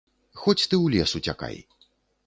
Хоць ты ў лес уцякай.